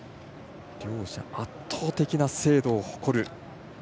両者圧倒的な精度を誇る。